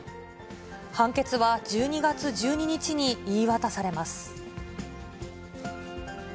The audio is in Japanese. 判決は１２月１２日に言い渡されます。